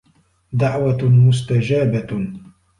دَعْوَةٌ مُسْتَجَابَةٌ